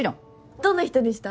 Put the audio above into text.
どんな人でした？